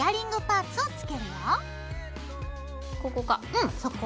うんそこ。